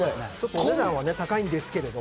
お値段は高いんですけれども。